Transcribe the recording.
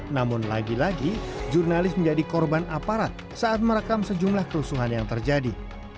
namun lagi lagi jurnalis menjadi korban aparat saat merekam sejumlah kerusuhan yang terjadi